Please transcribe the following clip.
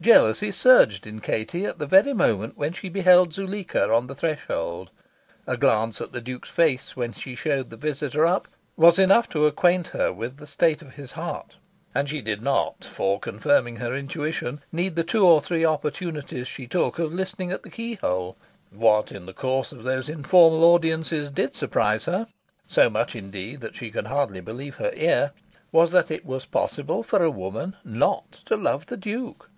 Jealousy surged in Katie at the very moment when she beheld Zuleika on the threshold. A glance at the Duke's face when she showed the visitor up was enough to acquaint her with the state of his heart. And she did not, for confirming her intuition, need the two or three opportunities she took of listening at the keyhole. What in the course of those informal audiences did surprise her so much indeed that she could hardly believe her ear was that it was possible for a woman not to love the Duke.